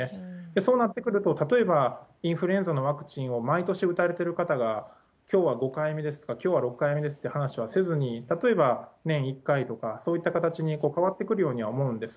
そうなってくると、例えばインフルエンザのワクチンを毎年打たれてる方が、きょうは５回目ですとか、きょうは６回目ですっていう話はせずに、例えば年１回とか、そういった形に変わってくるようには思うんです。